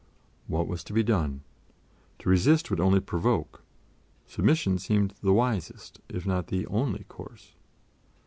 What was to be done? To resist would only provoke; submission seemed the wisest, if not the only course.